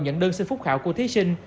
nhận đơn xin phúc khảo của thí sinh